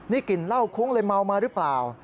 นี่กลิ่นเหล้าคุ้งเลยเมามาหรือเปล่า